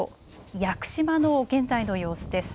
屋久島の現在の様子です。